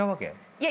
いや。